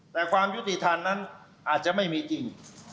แต่ความยุติธรรมนั้นอาจจะไม่มีจริง